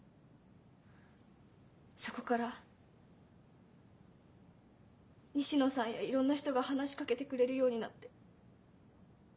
そこから西野さんやいろんな人が話しかけてくれるようになって。